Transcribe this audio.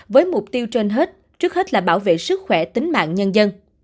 với mục tiêu trên hết trước hết là bảo vệ sức khỏe tính mạng nhân dân